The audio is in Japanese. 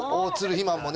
肥満もね